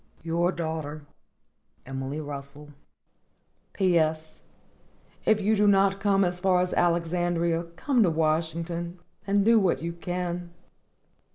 Your daughter, EMILY RUSSELL. P. S.—If you do not come as far as Alexandria, come to Washington, and do what you can.